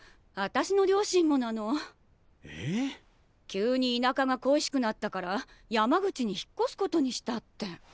急に田舎が恋しくなったから山口に引っ越すことにしたって。